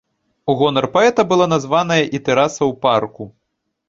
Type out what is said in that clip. У гонар паэта была названая і тэраса ў парку.